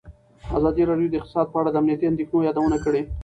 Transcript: ازادي راډیو د اقتصاد په اړه د امنیتي اندېښنو یادونه کړې.